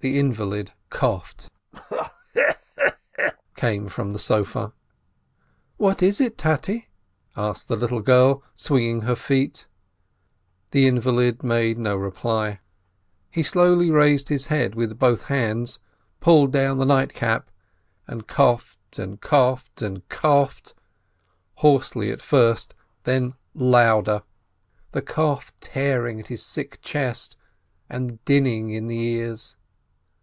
The invalid coughed. "Kche, kche, kche, kche," came from the sofa. "What is it, Tate?" asked the little girl, swinging her feet. The invalid made no reply. He slowly raised his head with both hands, pulled down the nightcap, and coughed and coughed and coughed, hoarsely at first, then louder, the cough tearing 184 ROSENTHAL at his sick chest and dinning in the ears.